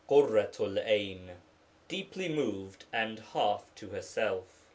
QURRATU'L 'AIN (_Deeply moved and half to herself.